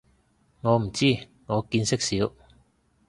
我唔知，我見識少